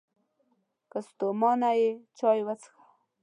که ستومانه یې، چای وڅښه!